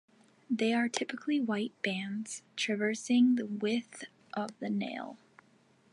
They are typically white bands traversing the width of the nail.